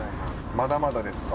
まだまだですか？